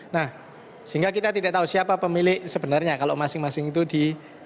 nah sehingga kita tidak tahu siapa pemilik sebenarnya kalau masing masing itu di